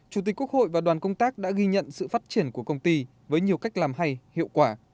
chủ tịch quốc hội và đoàn công tác đã ghi nhận sự phát triển của công ty với nhiều cách làm hay hiệu quả